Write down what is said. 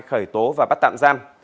khởi tố và bắt tạm giam